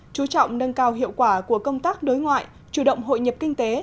chú trọng nâng cao hiệu quả của công tác đối ngoại chủ động hội nhập kinh tế